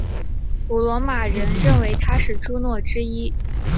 古罗马人确认她是朱诺之一。